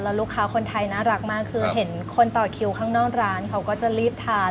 แล้วลูกค้าคนไทยน่ารักมากคือเห็นคนต่อคิวข้างนอกร้านเขาก็จะรีบทาน